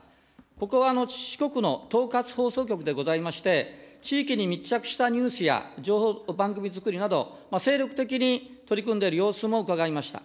ここは四国の統括放送局でございまして、地域に密着したニュースや情報番組作りなど、精力的に取り組んでいる様子もうかがいました。